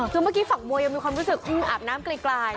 คือเมื่อกี้ฝักบัวยังมีความรู้สึกอาบน้ำไกล